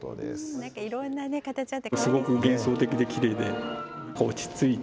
なんかいろんな形あって。